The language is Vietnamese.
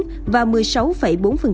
tp đã tăng trưởng